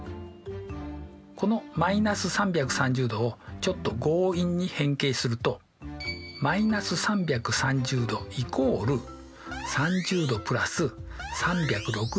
この−３３０°をちょっと強引に変形すると−３３０°＝３０°＋３６０°×となります。